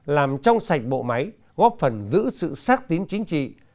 làm trong sạch bộ máy góp phần giữ sự sát tính chính trị